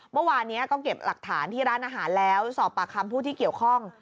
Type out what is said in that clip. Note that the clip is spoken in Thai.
เมื่อวานนี้ก็เก็บหลักฐานที่ร้านอาหารแล้วสอบปากคำผู้ที่เกี่ยวข้อง